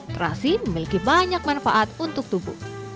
terasi memiliki banyak manfaat untuk tubuh